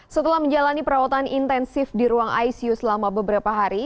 setelah menjalani perawatan intensif di ruang icu selama beberapa hari